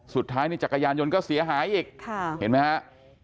สุดท้ายจักรยานยนต์ก็เสียหายอีกค่ะเห็นไหมครับ